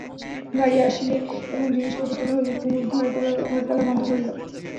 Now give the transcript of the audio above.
গাড়ি আসিলে এবং জিনিসপত্র তোলা হইলে কুমুদ ঘরে তালা বন্ধ করিল।